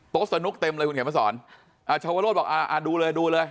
สนุกเต็มเลยคุณเขียนมาสอนอ่าชาวโรธบอกอ่าอ่าดูเลยดูเลย